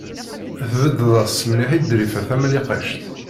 Tbeddeḍ-as mliḥ i Ḍrifa Tamlikect.